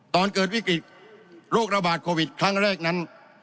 ตอนเกิดวิกฤตโรคระบาดโควิดครั้งแรกนั้น